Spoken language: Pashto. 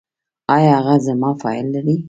ایا هغه زما فایل لري؟